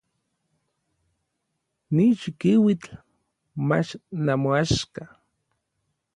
Ni chikiuitl mach namoaxka.